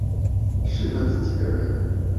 適合自己的人